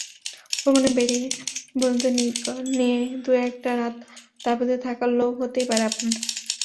ভ্রমণে বেড়িয়ে বন্ধুদের নিয়ে দু-একটা রাত তাঁবুতে থাকার লোভ হতেই পারে আপনার।